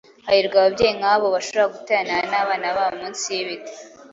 Hahirwa ababyeyi nk’abo bashobora guteranira n’abana babo munsi y’ibiti,